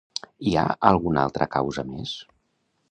I alguna altra causa més?